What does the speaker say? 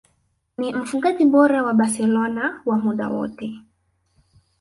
Ni mfungaji bora wa Barcelona wa muda wote